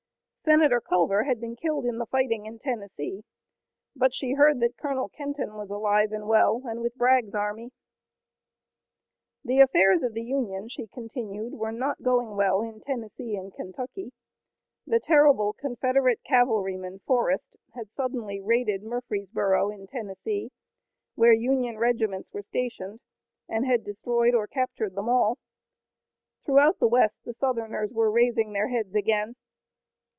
Senator Culver had been killed in the fighting in Tennessee, but she heard that Colonel Kenton was alive and well and with Bragg's army. The affairs of the Union, she continued, were not going well in Tennessee and Kentucky. The terrible Confederate cavalryman Forrest had suddenly raided Murfreesborough in Tennessee, where Union regiments were stationed, and had destroyed or captured them all. Throughout the west the Southerners were raising their heads again.